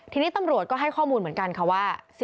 ทีนี้ตำรวจก็ให้ข้อมูลเหมือนกันค่ะว่า